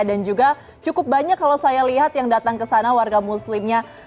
dan juga cukup banyak kalau saya lihat yang datang ke sana warga muslimnya